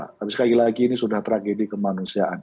tapi sekali lagi ini sudah tragedi kemanusiaan